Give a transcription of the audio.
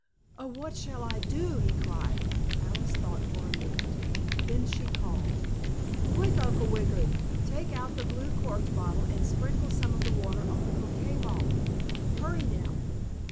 "Oh, what shall I do?" he cried. Alice thought for a minute, then she called: "Quick, Uncle Wiggily. Take out the blue corked bottle and sprinkle some of that water on the croquet ball! Hurry now!"